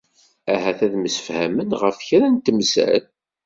Ah-at ad d-msefhamen ɣef kra n temsal.